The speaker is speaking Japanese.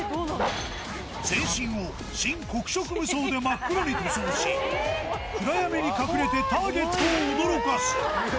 全身を真・黒色無双で真っ黒に塗装し、暗闇に隠れてターゲットを驚かす。